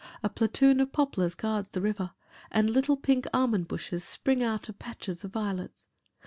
A platoon of poplars guards the river, and little pink almond bushes spring out of patches of violets.